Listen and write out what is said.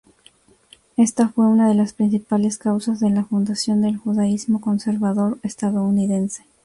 Esta fue una de las principales causas de la fundación del judaísmo conservador estadounidense.